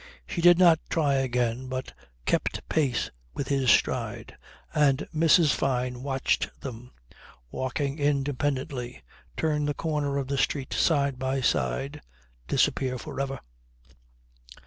She did not try again but kept pace with his stride, and Mrs. Fyne watched them, walking independently, turn the corner of the street side by side, disappear for ever.